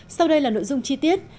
sau đây là nội dung chi tiết